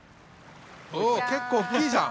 おお結構おっきいじゃん。